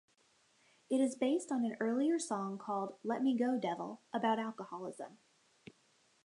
It is based on an earlier song called "Let Me Go, Devil", about alcoholism.